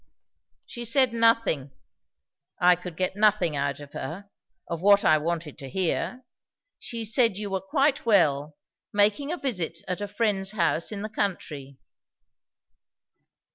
"She said nothing. I could get nothing out of her, of what I wanted to hear. She said you were quite well, making a visit at a friend's house in the country."